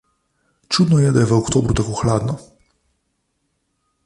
Čudno je, da je v oktobru tako hladno.